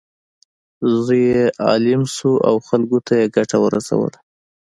زوی یې عالم شو او خلکو ته یې ګټه ورسوله.